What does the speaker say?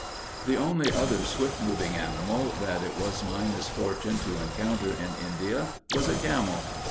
The only other swift moving animal that it was my misfortune to encounter in India was a camel.